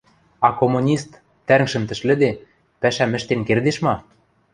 А коммунист, тӓнгжӹм тӹшлӹде, пӓшӓм ӹштен кердеш ма?